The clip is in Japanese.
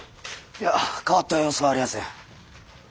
いや変わった様子はありやせん。